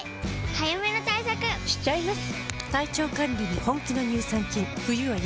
早めの対策しちゃいます。